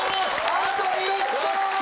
あと１つ！